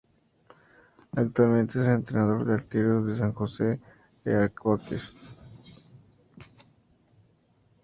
Actualmente es el entrenador de arqueros del San Jose Earthquakes.